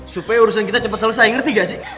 supaya urusan kita cepat selesai ngerti gak sih